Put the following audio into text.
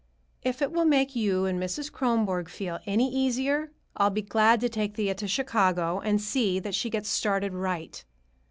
If it will make you and Mrs. Kronborg feel any easier, I'll be glad to take Thea to Chicago and see that she gets started right.